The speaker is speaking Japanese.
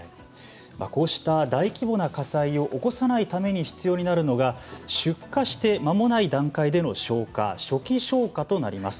こうした大規模な火災を起こさないために必要になるのが出火して、まもない段階での消火初期消火となります。